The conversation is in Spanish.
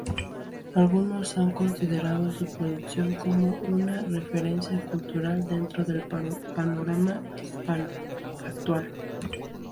Algunos han considerado su producción como una referencia cultural dentro del panorama hispano actual.